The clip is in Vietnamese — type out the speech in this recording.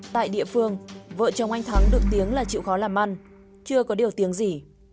tại địa phương vợ chồng anh thắng được tiếng là chịu khó làm ăn chưa có điều tiếng gì